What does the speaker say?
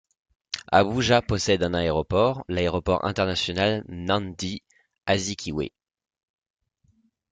Abuja possède un aéroport, l'aéroport international Nnamdi Azikiwe.